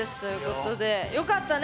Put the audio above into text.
よかったね。